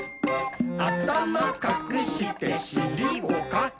「あたまかくしてしりもかく！」